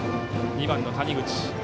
２番の谷口。